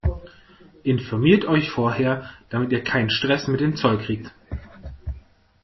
Informiert euch vorher, damit ihr keinen Stress mit dem Zoll kriegt!